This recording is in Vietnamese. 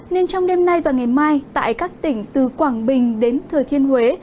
nên trong đêm nay và ngày mai tại các tỉnh từ quảng bình đến thừa thiên huế